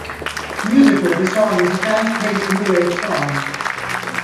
Musically, the song is a fast paced new wave song.